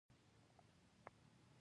هلته د ګروپ له ملګرو سره یو ځای کېږم.